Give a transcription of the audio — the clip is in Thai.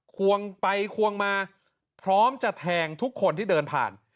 ควงไปควงมาพร้อมจะแทงทุกคนที่เดินผ่าน